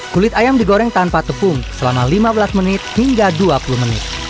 kulit ayam digoreng tanpa tepung selama lima belas menit hingga dua puluh menit